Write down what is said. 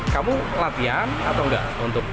kamu latihan atau enggak untuk